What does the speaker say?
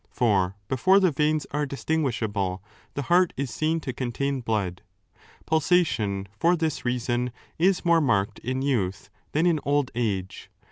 ^ For before the veins are distinguishable the heart is seen to contain blood. Pulsation, for this reason, is more marked in youth than in old age.